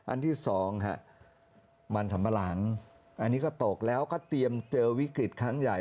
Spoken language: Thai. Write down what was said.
อันที่สองมันสัมปะหลังอันนี้ก็ตกแล้วก็เตรียมเจอวิกฤตครั้งใหญ่